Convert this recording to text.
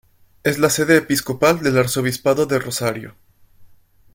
Es la sede episcopal del Arzobispado de Rosario.